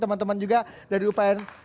teman teman juga dari upaya